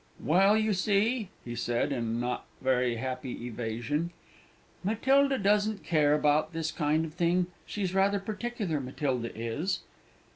"Well, you see," he said, in not very happy evasion, "Matilda doesn't care about this kind of thing; she's rather particular, Matilda is."